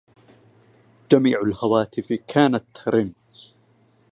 جميع الهواتف كانت ترنّ.